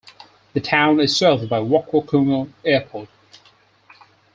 The town is served by Waco Kungo Airport.